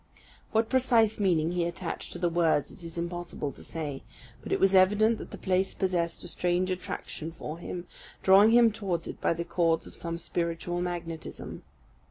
What precise meaning he attached to the words, it is impossible to say; but it was evident that the place possessed a strange attraction for him, drawing him towards it by the cords of some spiritual magnetism.